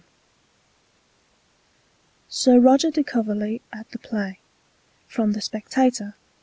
Hamilton W. Mabie SIR ROGER DE COVERLEY AT THE PLAY From the Spectator, No.